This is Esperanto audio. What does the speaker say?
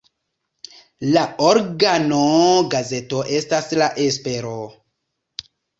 La organo-gazeto estas "La Espero".